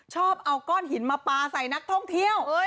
ชอบเอาก้อนหินมาปลาใส่นักท่องเที่ยว